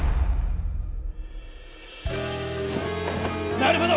なるほど！